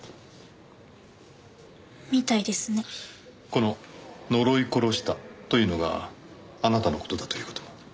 この「呪い殺した」というのがあなたの事だという事も？